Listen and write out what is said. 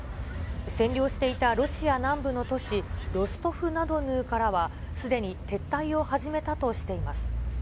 占領していたロシア南部の都市、ロストフナドヌーからはすでに撤退を始めたとしています。